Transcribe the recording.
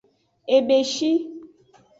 Ejeshi.